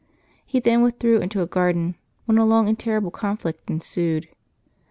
^^ He then withdrew into a garden, when a long and terrible conflict ensued.